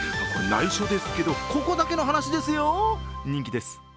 ないしょですけど、ここだけの話ですよ、人気です。